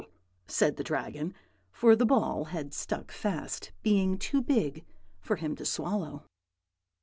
said the Dragon, for the ball had stuck fast, being too big for him to swallow.